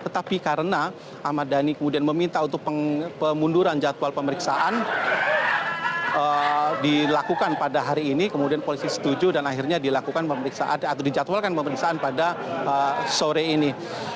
tetapi karena ahmad dhani kemudian meminta untuk pemunduran jadwal pemeriksaan dilakukan pada hari ini kemudian polisi setuju dan akhirnya dilakukan pemeriksaan atau dijadwalkan pemeriksaan pada sore ini